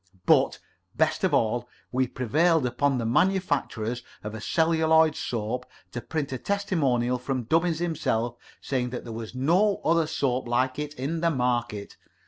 But, best of all, we prevailed upon the manufacturers of celluloid soap to print a testimonial from Dubbins himself, saying that there was no other soap like it in the market.